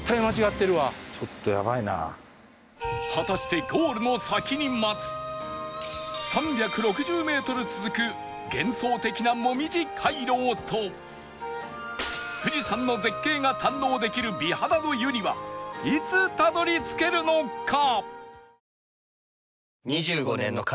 果たしてゴールの先に待つ３６０メートル続く幻想的なもみじ回廊と富士山の絶景が堪能できる美肌の湯にはいつたどり着けるのか？